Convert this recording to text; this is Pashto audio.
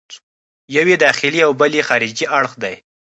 یو یې داخلي او بل یې خارجي اړخ دی.